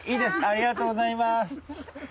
ありがとうございます。